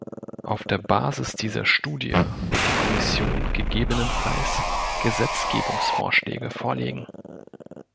Auf der Basis dieser Studie wird die Kommission gegebenenfalls Gesetzgebungsvorschläge vorlegen.